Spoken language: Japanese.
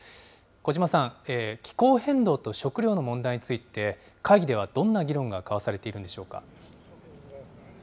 小島さん、気候変動と食料の問題について、会議ではどんな議論が交わされているんでしょうか。